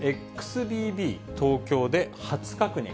ＸＢＢ、東京で初確認。